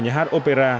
nhà hát opera